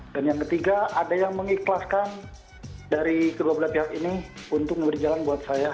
dan yang ketiga ada yang mengikhlaskan dari kedua belah pihak ini untuk memberi jalan buat saya